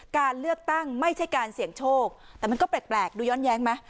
การเลือกตั้งไม่ใช่การเสี่ยงโชคแต่มันก็แปลกดูย้อนแย้งไหม